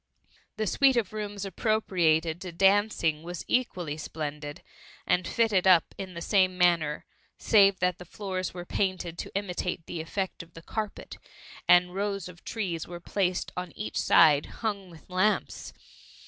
The suit of rooms appropriated to dancing was equally splendid, and fitted up in the same manners save that the floors were painted to imitate the effect of the carpet, and rows of trees were placed on each side, hung with lamps.